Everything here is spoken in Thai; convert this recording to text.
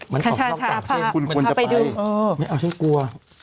มันขาดมันจะไปเออไม่เอาฉันกลัว